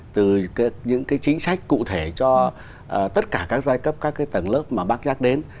từ những chính sách cụ thể cho tất cả các giai cấp các tầng lớp mà bác nhắc đến